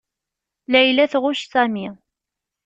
Layla tɣucc Sami.